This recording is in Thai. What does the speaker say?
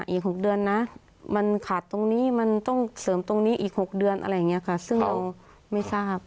อีก๖เดือนนะมันขาดตรงนี้มันต้องเสริมตรงนี้อีก๖เดือนอะไรอย่างนี้ค่ะซึ่งเราไม่ทราบ